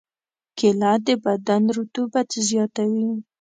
کېله د بدن رطوبت زیاتوي.